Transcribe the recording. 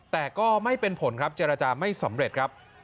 แต่ก็ไม่เป็นผลครับเจรจาไม่สำเร็จครับ